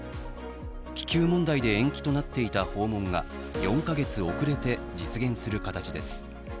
気球問題で延期となっていた訪問が４か月遅れて実現する形です。